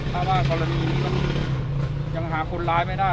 ถ้าว่ากรณีนี้มันยังหาคนร้ายไม่ได้